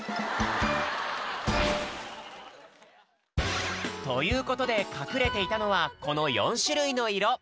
それじゃあということでかくれていたのはこの４しゅるいのいろ。